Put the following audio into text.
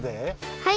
はい！